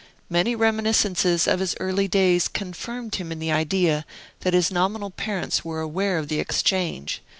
Many reminiscences of his early days confirmed him in the idea that his nominal parents were aware of the exchange.